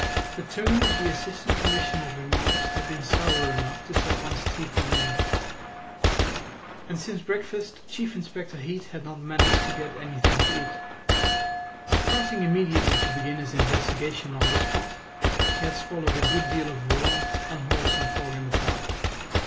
The tone of the Assistant Commissioner's remarks had been sour enough to set one's teeth on edge. And since breakfast Chief Inspector Heat had not managed to get anything to eat. Starting immediately to begin his investigation on the spot, he had swallowed a good deal of raw, unwholesome fog in the park.